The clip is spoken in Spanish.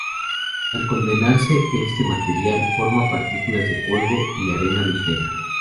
Al condensarse este material, forma partículas de polvo y arena ligera.